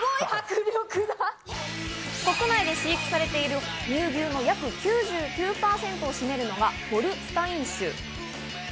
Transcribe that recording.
国内で飼育されている乳牛の約９９％を占めるのがホルスタイン種。